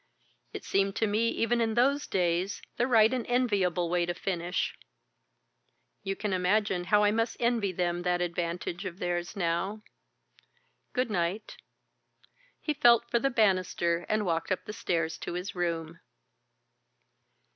It seemed to me, even in those days, the right and enviable way to finish. You can imagine how I must envy them that advantage of theirs now. Good night." He felt for the bannister and walked up the stairs to his room.